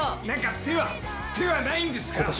何か手は手はないんですか？